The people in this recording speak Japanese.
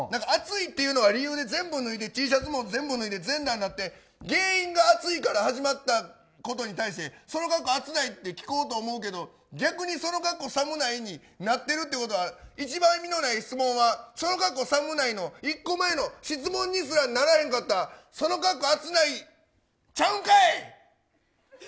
暑いというのは理由で全部、Ｔシャツも脱いで全裸になって原因が暑いから始まったことに対して、その格好暑ないって聞こうと思うけど逆にその格好寒ない？になってるってことは一番意味のない質問はその格好寒ないの１個前の質問にすらならなかったその格好暑ないちゃうんかい！